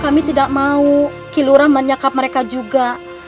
kami tidak mau kilurah menyekap mereka juga